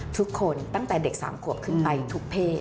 ทุกคนตั้งแต่เด็ก๓ขวบขึ้นไปทุกเพศ